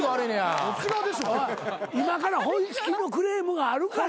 今から本式のクレームがあるから。